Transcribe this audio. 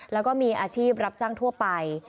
แล้วก็มีอาชีพรับจ้างทั่วไป